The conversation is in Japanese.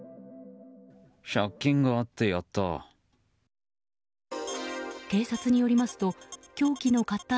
借金があってやった。